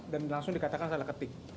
dan langsung dikatakan salah ketik